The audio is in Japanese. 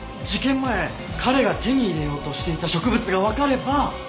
事件前彼が手に入れようとしていた植物がわかれば。